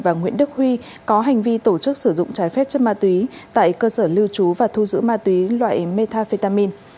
và nguyễn đức huy có hành vi tổ chức sử dụng trái phép chất ma túy tại cơ sở lưu trú và thu giữ ma túy loại metafetamin